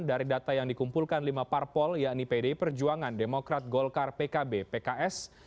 dari data yang dikumpulkan lima parpol yakni pdi perjuangan demokrat golkar pkb pks